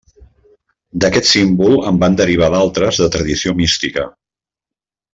D'aquest símbol en van derivar d'altres de tradició mística.